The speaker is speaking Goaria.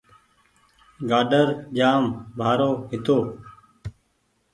گآڊر جآم بآرو هيتو